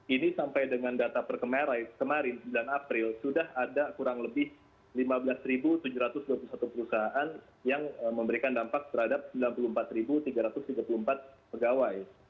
ini sampai dengan data per kemerai kemarin sembilan april sudah ada kurang lebih lima belas tujuh ratus dua puluh satu perusahaan yang memberikan dampak terhadap sembilan puluh empat tiga ratus tiga puluh empat pegawai